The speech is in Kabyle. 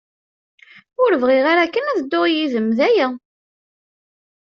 Ur bɣiɣ ara kan ad dduɣ yid-m, d aya.